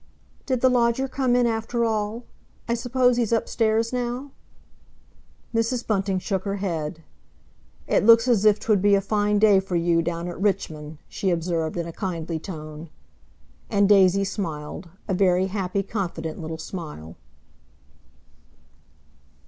"Did the lodger come in after all? I suppose he's upstairs now?" Mrs. Bunting shook her head. "It looks as if 'twould be a fine day for you down at Richmond," she observed in a kindly tone. And Daisy smiled, a very happy, confident little smile.